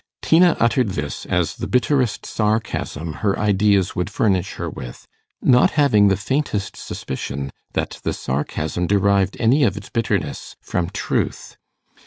Tina uttered this as the bitterest sarcasm her ideas would furnish her with, not having the faintest suspicion that the sarcasm derived any of its bitterness from truth.